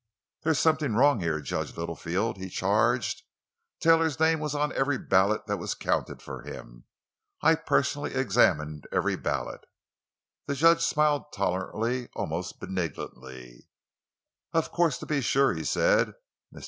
"There's something wrong here, Judge Littlefield!" he charged. "Taylor's name was on every ballot that was counted for him. I personally examined every ballot!" The judge smiled tolerantly, almost benignantly. "Of course—to be sure," he said. "Mr.